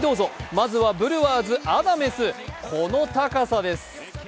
まずはブルワーズ・アダメス、この高さです。